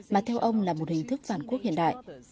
mà theo ông là một hình thức phản quốc hiện đại